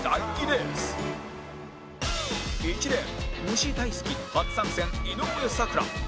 １レーン虫大好き初参戦井上咲楽